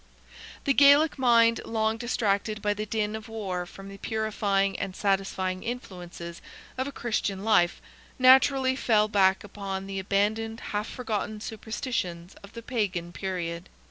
The Gaelic mind, long distracted by the din of war from the purifying and satisfying influences of a Christian life, naturally fell back upon the abandoned, half forgotten superstitions of the Pagan period.